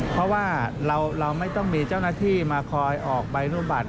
เพราะว่าเราไม่ต้องมีเจ้าหน้าที่มาคอยออกใบอนุบัติ